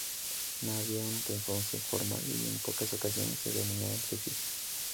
No había una transmisión formal, y en pocas ocasiones se denominaban sufíes.